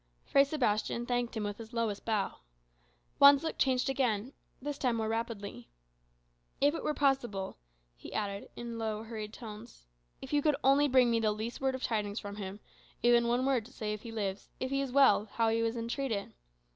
Fray Sebastian thanked him with his lowest bow. Juan's look changed again; this time more rapidly. "If it were possible," he added, in low, hurried tones "if you could only bring me the least word of tidings from him even one word to say if he lives, if he is well, how he is entreated.